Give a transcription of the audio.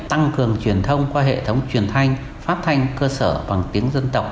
tăng cường truyền thông qua hệ thống truyền thanh phát thanh cơ sở bằng tiếng dân tộc